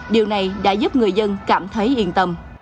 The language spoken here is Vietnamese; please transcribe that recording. điều này đã giúp người dân cảm thấy yên tâm